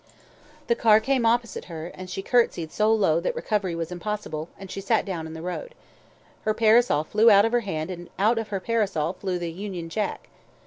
The car came opposite her, and she curtsied so low that recovery was impossible, and she sat down in the road. Her parasol flew out of her hand and out of her parasol flew the Union Jack.